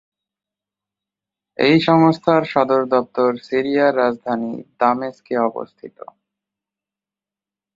এই সংস্থার সদর দপ্তর সিরিয়ার রাজধানী দামেস্কে অবস্থিত।